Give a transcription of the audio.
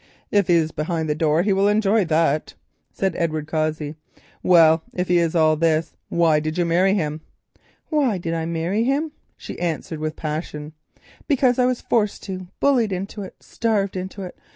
"If he is behind the door he will enjoy that," said Edward Cossey. "Well, if he is all this, why did you marry him?" "Why did I marry him?" she answered with passion, "because I was forced into it, bullied into it, starved into it.